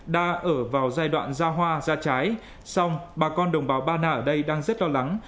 đã ở vào giai đoạn ra hoa ra trái song bà con đồng bào ba na ở đây đang rất lo lắng